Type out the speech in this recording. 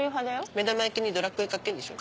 目玉焼きに『ドラクエ』かけんでしょ？